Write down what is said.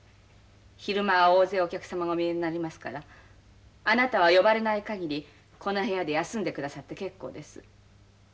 昼間は大勢お客様がお見えになりますからあなたは呼ばれない限りこの部屋で休んでくださって結構です。